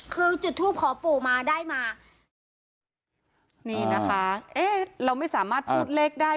คือจุดทูปขอปู่มาได้มานี่นะคะเอ๊ะเราไม่สามารถพูดเลขได้